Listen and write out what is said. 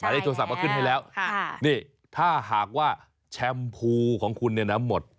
ได้โทรศัพท์มาขึ้นให้แล้วนี่ถ้าหากว่าแชมพูของคุณเนี่ยนะหมด